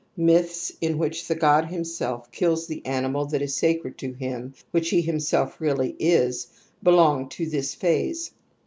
Myths in which the god himself kills the animal that is sacred to him, which he him self really is, belong to this phase.